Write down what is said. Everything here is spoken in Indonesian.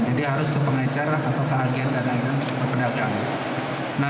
jadi harus ke pengejar atau ke agen agen perdagangan